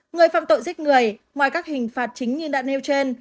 người phạm tội giết người ngoài các hình phạt chính như đạn nêu trên